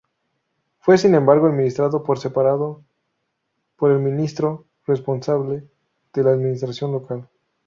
Fue, sin embargo, administrado por separado por el ministro responsable de la administración local.